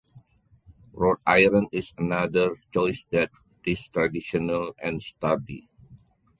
Wrought iron is another choice that is traditional and sturdy.